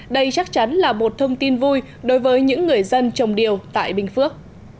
đây chắc chắn là một thông tin vui đối với những người dân trồng điều tại bình phước